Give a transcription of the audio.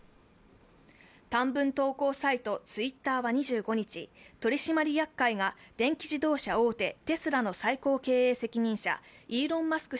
短文投稿サイト、ツイッターは２５日取締役会が電気自動車大手テスラの最高経営責任者・イーロン・マスク